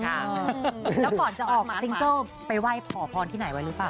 แล้วก่อนจะออกซิงเกิลไปไหว้ขอพรที่ไหนไว้รู้ป่